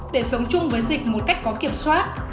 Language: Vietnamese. để sống chung với dịch một cách có kiểm soát